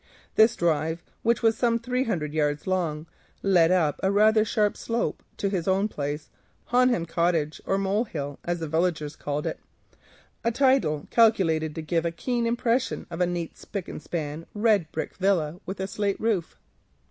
This drive, which was some three hundred yards long, led up a rather sharp slope to his own place, Honham Cottage, or Molehill, as the villagers called it, a title calculated to give a keen impression of a neat spick and span red brick villa with a slate roof.